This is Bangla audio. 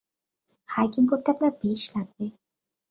হাইকিং করতে আপনার বেশ লাগবে।